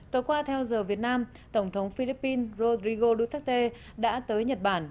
tối qua theo giờ việt nam tổng thống philippines rodrigo duterte đã tới nhật bản